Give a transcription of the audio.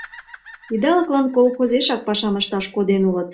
Идалыклан колхозешак пашам ышташ коден улыт.